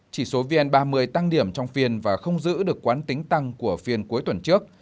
chỉ số vn ba mươi tăng điểm trong phiên và không giữ được quán tính tăng của phiên cuối tuần trước